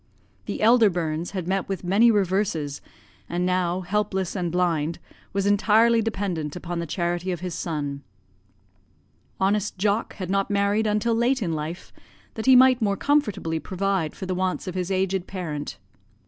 The elder Burns had met with many reverses, and now helpless and blind, was entirely dependent upon the charity of his son. Honest Jock had not married until late in life, that he might more comfortably provide for the wants of his aged parent.